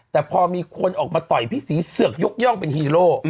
แต่พอมีคนออกมาต่อยพี่ศรีเสือกยกย่องเป็นฮีโร่